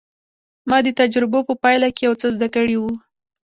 ما د تجربو په پايله کې يو څه زده کړي وو.